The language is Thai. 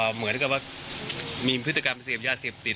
เหมือนกับว่ามีพฤติกรรมเสพยาเสพติด